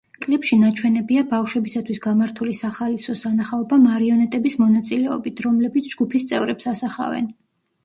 კლიპში ნაჩვენებია ბავშვებისათვის გამართული სახალისო სანახაობა მარიონეტების მონაწილეობით, რომლებიც ჯგუფის წევრებს ასახავენ.